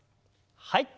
はい。